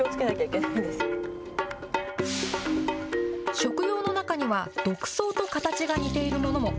食用の中には、毒草と形が似ているものも。